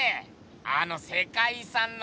あの世界遺産の。